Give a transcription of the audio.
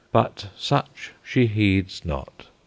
But such she heeds not.